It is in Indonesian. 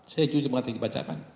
saya jujur mengatakan dibacakan